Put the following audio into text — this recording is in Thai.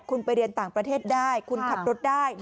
คุณไปเรียนต่างประเทศได้คุณขับรถได้